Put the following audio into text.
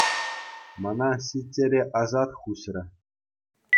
Мана ҫиччӗре асат хуҫрӗ.